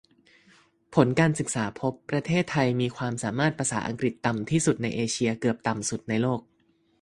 ผลการศึกษาพบ ประเทศไทยมีความสามารถภาษาอังกฤษต่ำที่สุดในเอเชีย เกือบต่ำสุดในโลก